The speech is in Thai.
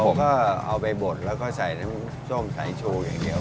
เอาไปบดแล้วก็ใส่น้ำส้มสายชูอย่างเดียว